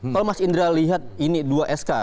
kalau mas indra lihat ini dua sk